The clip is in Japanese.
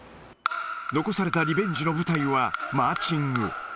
残されたリベンジの舞台は、マーチング。